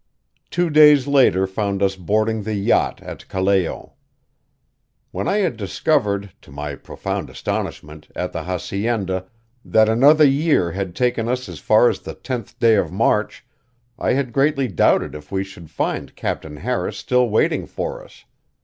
Two days later found us boarding the yacht at Callao. When I had discovered, to my profound astonishment, at the hacienda, that another year had taken us as far as the tenth day of March, I had greatly doubted if we should find Captain Harris still waiting for us.